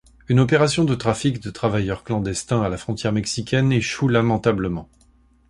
Une opération de trafic de travailleurs clandestins à la frontière mexicaine échoue lamentablement.